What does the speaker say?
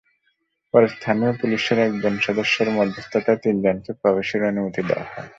পরে স্থানীয় পুলিশের একজন সদস্যের মধ্যস্থতায় তিনজনকে প্রবেশের অনুমতি দেওয়া হয়।